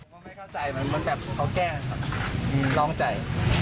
ผมไม่เข้าใจมันแบบเขาแก้ลองใจ